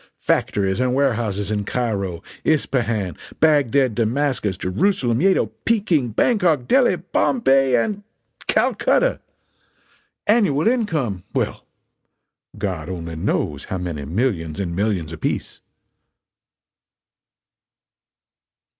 Factories and warehouses in Cairo, Ispahan, Bagdad, Damascus, Jerusalem, Yedo, Peking, Bangkok, Delhi, Bombay and Calcutta! Annual income well, God only knows how many millions and millions apiece!"